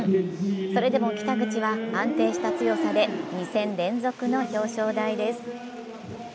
それでも北口は安定した強さで２戦連続の表彰台です。